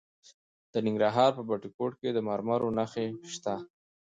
د ننګرهار په بټي کوټ کې د مرمرو نښې شته.